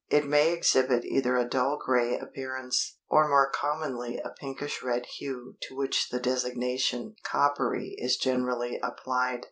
It may exhibit either a dull grey appearance, or more commonly a pinkish red hue to which the designation "coppery" is generally applied.